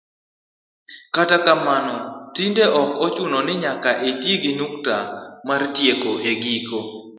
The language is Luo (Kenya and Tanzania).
kata kamano tinde ok ochuno ni nyaka iti gi nukta mar tieko e giko